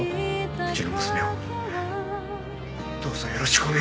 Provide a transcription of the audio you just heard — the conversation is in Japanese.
うちの娘をどうぞよろしくお願いします。